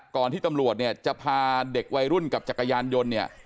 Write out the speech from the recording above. ที่ตำรวจเนี่ยจะพาเด็กวัยรุ่นกับจักรยานยนต์เนี่ย